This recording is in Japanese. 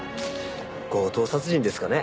強盗殺人ですかね？